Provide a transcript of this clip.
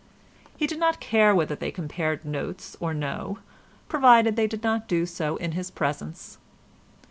He did not care whether they compared notes or no, provided they did not do so in his presence.